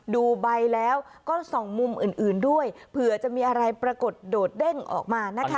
ดูใบแล้วก็ส่องมุมอื่นด้วยเผื่อจะมีอะไรปรากฏโดดเด้งออกมานะคะ